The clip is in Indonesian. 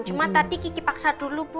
cuma tadi kiki paksa dulu bu